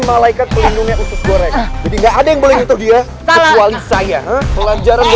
malaikat pelindungnya usus goreng jadi enggak ada yang boleh ngitu dia kecuali saya pelajaran